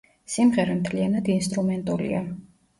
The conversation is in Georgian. სიმღერა მთლიანად ინსტრუმენტულია.